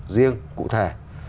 riêng cụ thể